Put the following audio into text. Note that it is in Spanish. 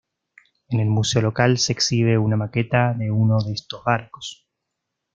En el museo local se exhibe una maqueta de uno de estos barcos.